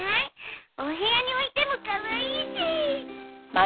お部屋に置いてもかわいいし。